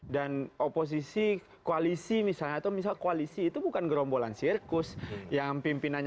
dan oposisi koalisi misalnya atau misal koalisi itu bukan gerombolan sirkus yang pimpinannya